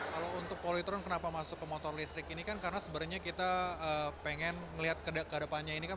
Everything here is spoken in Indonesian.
kalau untuk polytron kenapa masuk ke motor listrik ini kan karena sebenarnya kita pengen melihat ke depannya ini kan